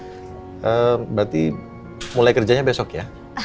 berarti mulai kerjanya besok ya